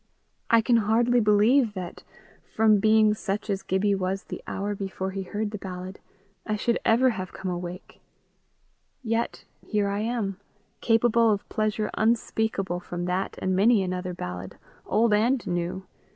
I can hardly believe that, from being such as Gibbie was the hour before he heard the ballad, I should ever have come awake. Yet here I am, capable of pleasure unspeakable from that and many another ballad, old and new!